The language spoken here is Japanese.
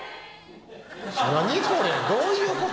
何これどういうこと？